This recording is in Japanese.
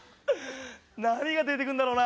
何が出て来るんだろうな？